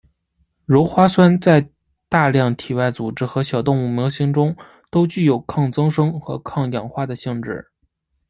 鞣花酸在大量体外组织及小动物模型中都具有抗增生和抗氧化的性质。